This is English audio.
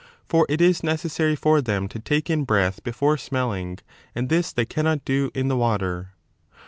For it is necessary for them to take in breath before smelling and this they cannot do in the water.